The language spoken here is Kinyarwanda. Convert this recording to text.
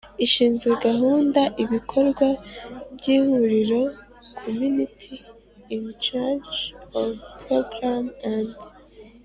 ishinzwe gahunda ibikorwa by Ihuriro Committee in charge of programmes and